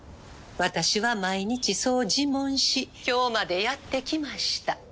「私は毎日そう自問し今日までやってきました」